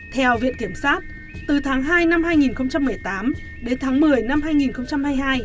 theo viện kiểm sát từ tháng hai năm hai nghìn một mươi tám đến tháng một mươi năm hai nghìn hai mươi hai